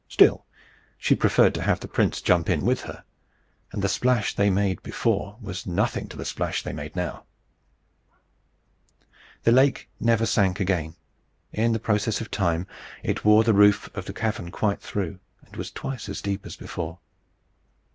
Still, she preferred to have the prince jump in with her; and the splash they made before was nothing to the splash they made now. The lake never sank again. In process of time, it wore the roof of the cavern quite through, and was twice as deep as before.